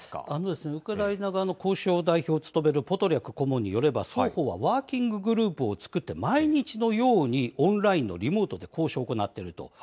ウクライナ側の交渉代表を務めるポドリャク顧問によれば、双方はワーキンググループを作って、毎日のようにオンラインのリモートで交渉を行っていると。